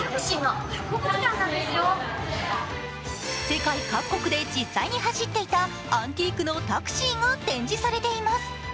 世界各国で実際に走っていたアンティークのタクシーが展示されています。